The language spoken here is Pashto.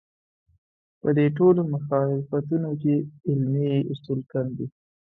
په دې ټولو مخالفتونو کې علمي اصول کم دي.